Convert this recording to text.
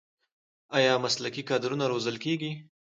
آیا مسلکي کادرونه روزل کیږي؟